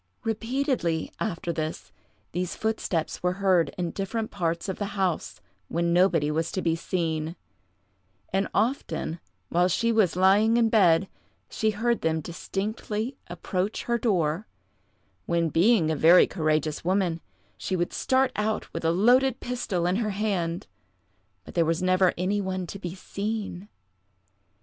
Repeatedly, after this, these footsteps were heard in different parts of the house, when nobody was to be seen; and often, while she was lying in bed, she heard them distinctly approach her door, when, being a very courageous woman, she would start out with a loaded pistol in her hand, but there was never any one to be seen.